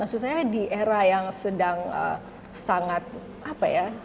maksud saya di era yang sedang sangat apa ya